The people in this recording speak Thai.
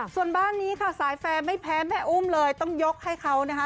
ส่วนบ้านนี้ค่ะสายแฟร์ไม่แพ้แม่อุ้มเลยต้องยกให้เขานะคะ